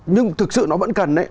nhưng thực sự nó vẫn cần đấy